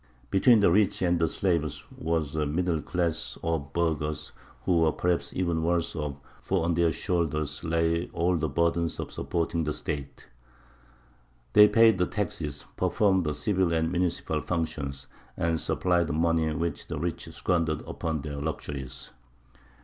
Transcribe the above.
Between the rich and the slaves was a middle class of burghers, who were perhaps even worse off: for on their shoulders lay all the burden of supporting the State; they paid the taxes, performed the civil and municipal functions, and supplied the money which the rich squandered upon their luxuries.